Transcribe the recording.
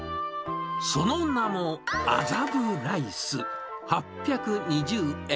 その名も、麻布ライス８２０円。